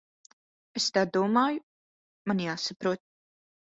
Es tā domāju. Man jāsaprot.